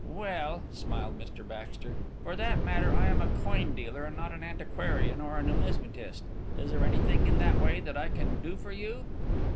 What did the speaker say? "Well," smiled Mr Baxter, "for that matter I am a coin dealer and not an antiquarian or a numismatist. Is there anything in that way that I can do for you?"